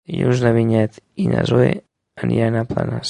Dilluns na Vinyet i na Zoè aniran a Planes.